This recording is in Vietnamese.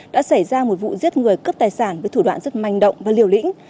đã xảy ra một vụ giết người cướp tài sản với thủ đoạn rất manh động và liều lĩnh